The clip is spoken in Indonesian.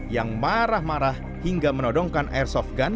yang marah marah hingga menodongkan airsoft gun